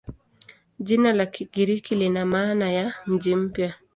Jina la Kigiriki lina maana ya "mji mpya".